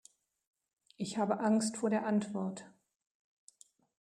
Ich habe Angst vor der Antwort.